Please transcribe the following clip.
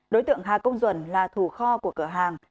đối tượng hà công duẩn là thủ kho của cửa hàng